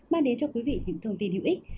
mang đến cho quý vị những thông tin hữu ích